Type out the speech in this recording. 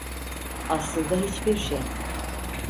Aslında hiçbir şey.